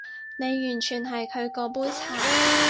你完全係佢嗰杯茶